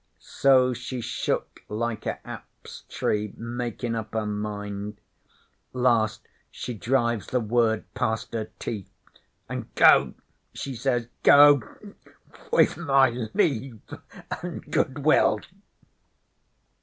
So she shook like a aps tree makin' up her mind. 'Last she drives the word past her teeth, an' "Go!" she says. "Go with my Leave an' Goodwill."